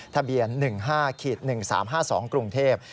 ทะเบียน๑๕๑๓๕๒กรุงเทพฯ